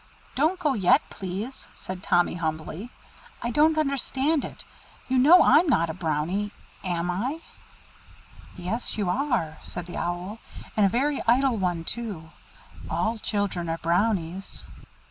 "Don't go yet, please," said Tommy humbly. "I don't understand it. You know I'm not a Brownie, am I?" "Yes, you are," said the Owl, "and a very idle one too. All children are Brownies."